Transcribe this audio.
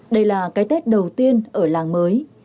đây là cái tết đầu tiên ở làng mới